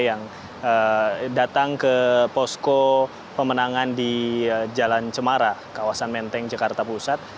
yang datang ke posko pemenangan di jalan cemara kawasan menteng jakarta pusat